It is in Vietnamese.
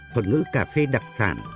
thuật ngữ cà phê đặc sản